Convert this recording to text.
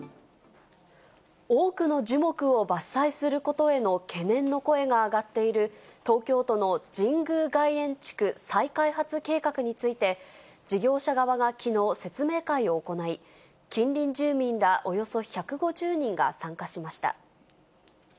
多くの樹木を伐採することへの懸念の声が上がっている、東京都の神宮外苑地区再開発計画について、事業者側がきのう、説明会を行い、近隣住民らおよそ１５０人が参加しました。